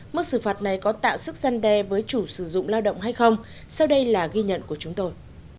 mức xử phạt này có tạo sức gian đe với chủ sử dụng lao động hay không sau đây là ghi nhận của chúng tôi